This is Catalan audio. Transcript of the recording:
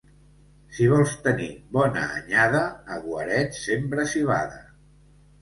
Si vols tenir bona anyada, a guaret sembra civada.